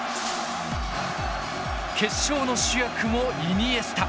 決勝の主役もイニエスタ。